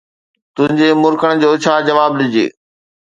تنھنجي مُرڪڻ جو ڇا جواب ڏجي.